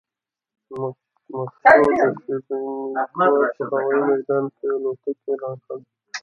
د مسکو د شېرېمېتوا په هوايي ميدان کې الوتکو اعلان کېده.